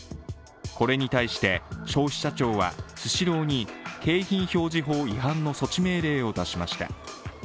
これに対して、消費者庁はスシローに景品表示法違反の措置命令を出しました。